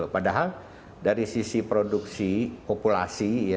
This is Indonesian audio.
padahal dari sisi produksi populasi